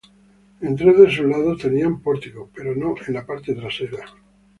En tres de sus lados tenía pórtico, pero no en la parte trasera.